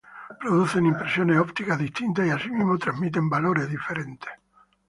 Producen impresiones ópticas distintas y asimismo transmiten valores diferentes.